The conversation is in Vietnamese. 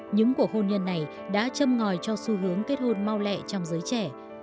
những cuộc hôn nhân này đã châm ngòi cho xu hướng kết hôn mau lẹ trong giới trẻ